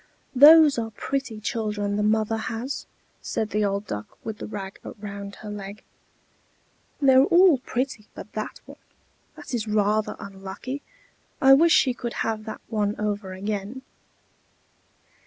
"Those are pretty children the mother has," said the old Duck with the rag round her leg. "They're all pretty but that one; that is rather unlucky. I wish she could have that one over again."